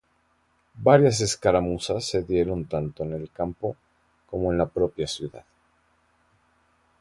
Varias escaramuzas se dieron tanto en el campo, como en la propia ciudad.